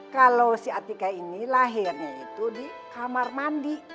kalau si atika ini lahirnya itu di kamar mandi